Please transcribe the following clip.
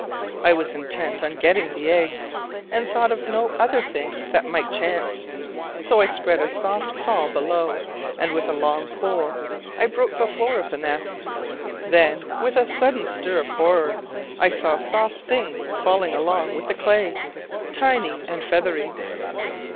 I was intent on getting the eggs, and thought of no other thing that might chance: so I spread a soft fall below, and with a long pole I broke the floor of the nest. Then with a sudden stir of horror I saw soft things falling along with the clay, tiny and feathery.